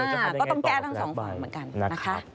ก็ต้องแก้ทั้งสองฝั่งเหมือนกันนะคะ